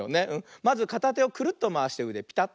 まずかたてをクルッとまわしてうでピタッ。